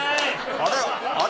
あれ？